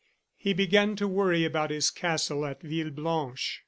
He began to worry about his castle at Villeblanche.